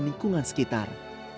dan lingkungan sekitar